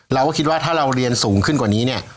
เราก็คิดว่าถ้าเราเรียนสูงขึ้นกว่านี้เนี่ย